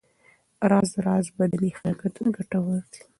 راز راز بدني حرکتونه ګټور دي.